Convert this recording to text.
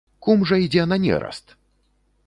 Кумжа ідзе на нераст!